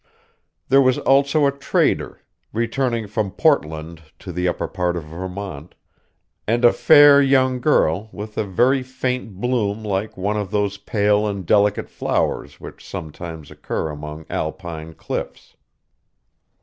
There was also a trader, returning from Portland to the upper part of Vermont; and a fair young girl, with a very faint bloom like one of those pale and delicate flowers which sometimes occur among alpine cliffs.